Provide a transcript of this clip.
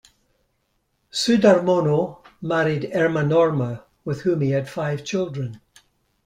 Sudharmono married Erma Norma, with whom he had five children.